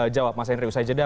jawab mas henry usai jeda